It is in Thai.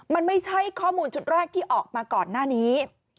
มันไม่ใช่ข้อมูลชุดแรกที่ออกมาก่อนหน้านี้